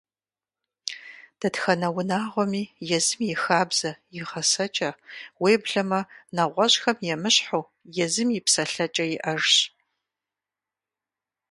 Дэтхэнэ унагъуэми езым и хабзэ, и гъэсэкӀэ, уеблэмэ, нэгъуэщӀхэм емыщхьу, езым и псэлъэкӀэ иӀэжщ.